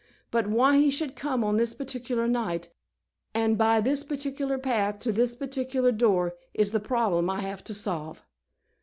But why he should come on this particular night, and by this particular path to this particular door, is the problem I have to solve!"